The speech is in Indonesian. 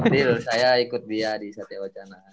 lulus saya ikut dia di satya wacana